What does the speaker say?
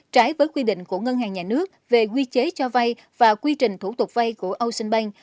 trái với quy định của ngân hàng nhà nước về quy chế cho vay và quy trình thủ tục vay của ocean bank